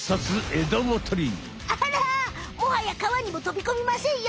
あらもはや川にもとびこみませんよ！